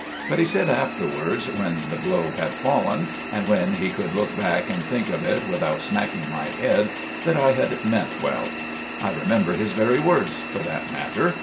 But he said afterwards, when the blow had fallen, and when he could look back and think of it without smacking my head, that I had ment well. I remember his very words, for that matter.